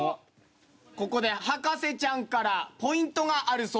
ここで博士ちゃんからポイントがあるそうです。